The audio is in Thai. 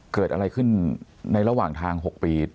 เกิดอะไรขึ้นในระหว่างทาง๖ปี